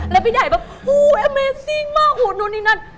แล้วพี่ใหญ่แบบอู้แอเมซิ่งมากหูนู่นนี่นั่น